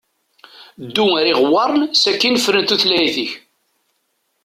Ddu ar iɣewwaṛn sakin fren tutlayt-ik.